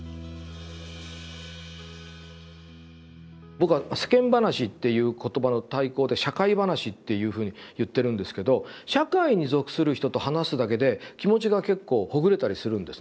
僕は「世間話」っていう言葉の対抗で「社会話」っていうふうに言ってるんですけど社会に属する人と話すだけで気持ちが結構ほぐれたりするんですね。